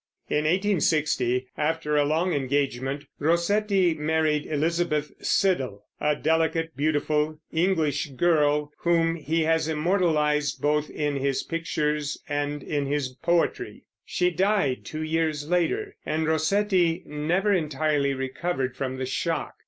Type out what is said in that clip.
In 1860, after a long engagement, Rossetti married Elizabeth Siddal, a delicate, beautiful English girl, whom he has immortalized both in his pictures and in his poetry. She died two years later, and Rossetti never entirely recovered from the shock.